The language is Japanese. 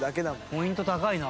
ポイント高いな。